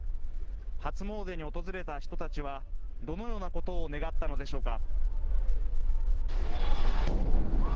初詣に訪れた人たちは、どのようなことを願ったのでしょうか。